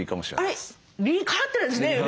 あれ理にかなってるんですね。